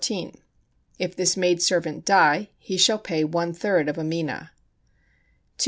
If this maid servant die, he shall pay one third of a mina. 215.